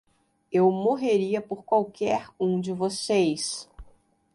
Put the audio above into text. Eu morreria por qualquer um de vocês.